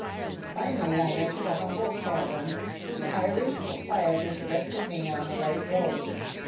Finally, I entered a humble tavern whose Irish proprietor directed me on the right road.